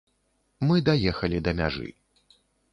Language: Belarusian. Мы даехалі да мяжы.